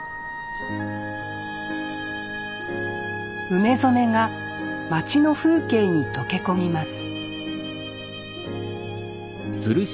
梅染めが町の風景に溶け込みます